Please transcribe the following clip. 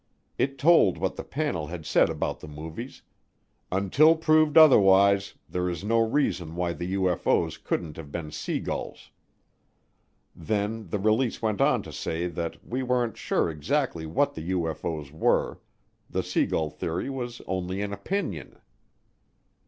It told what the panel had said about the movies, "until proved otherwise there is no reason why the UFO's couldn't have been sea gulls." Then the release went on to say that we weren't sure exactly what the UFO's were, the sea gull theory was only an opinion.